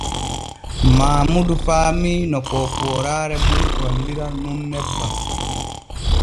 Maamudu faamii no poopooraare mum golliran nun nebban.